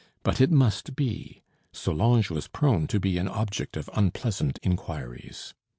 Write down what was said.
But it must be. Solange was prone to be an object of unpleasant inquiries.